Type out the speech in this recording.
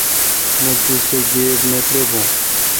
مہ توسہ گیب نہ تھبوں۔